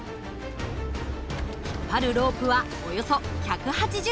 引っ張るロープはおよそ１８０ｍ。